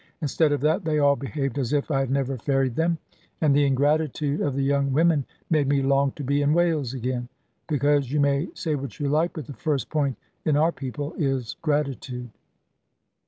Instead of that, they all behaved as if I had never ferried them; and the ingratitude of the young women made me long to be in Wales again. Because, you may say what you like; but the first point in our people is gratitude.